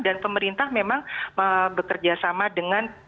dan pemerintah memang bekerja sama dengan